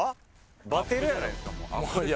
バテるやないですか。